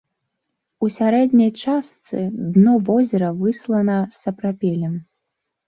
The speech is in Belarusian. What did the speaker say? У сярэдняй частцы дно возера выслана сапрапелем.